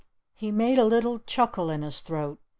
He made a little chuckle in his throat.